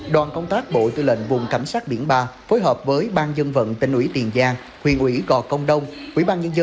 đoàn công tác bộ tư lệnh vùng cảnh sát biển ba phối hợp với ban dân vận tỉnh ủy tiền giang huyện ủy gò công đông